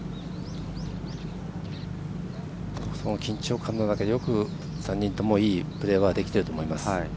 その緊張感の中、よく３人ともいいプレーはできていると思います。